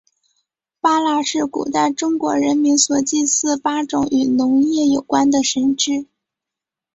八蜡是古代中国人民所祭祀八种与农业有关的神只。